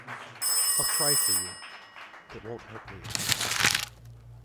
I'll cry for you; it won't hurt me.